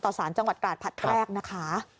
ต่อสารจังหวัดกราชผัดแรกนะคะ